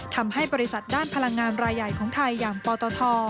ทำให้บริษัทด้านพลังงานรายใหญ่ของไทยอย่างปตท